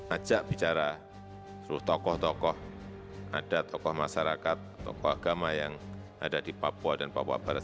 ajak bicara seluruh tokoh tokoh adat tokoh masyarakat tokoh agama yang ada di papua dan papua barat